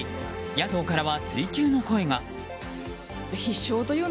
野党からは、追及の声が。